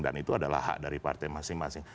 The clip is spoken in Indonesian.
dan itu adalah hak dari partai masing masing